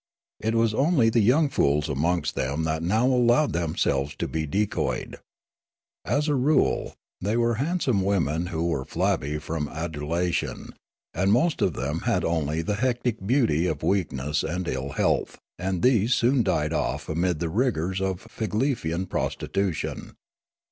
It was only the young fools amongst them that now allowed them selves to be decoyed. As a rule, they were handsome women who were flabby from adulation, and most of them had only the hectic beauty of weakness and ill health ; and these soon died off amid the rigours of Figlefian prostitution.